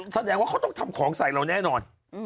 แสดงว่าเขาต้องทำของใส่เราแน่นอน